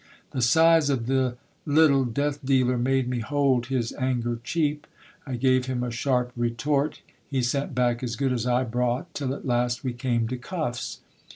The size of the little death dealer made me hold his anger cheap. I gave him a sharp retort ; he sent back as good as I brought, till at last we came to cuffs.